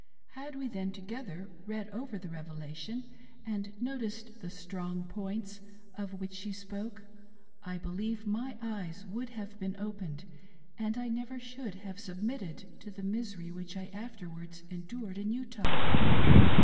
Had we then together read over WHISPERINGS OF SCANDAL. 1 69 the Revelation and noticed the " strong points," of which she spoke, I believe my eyes would have been opened and I never should have submitted to the misery which I afterwards en dured in Utah.